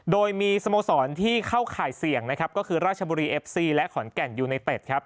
โดยมีสโมสรที่เข้าขายเสี่ยงก็คือราชบุรีเอฟซีและขอนแก่นยูเนเตต